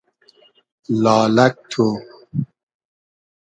لالئگ تو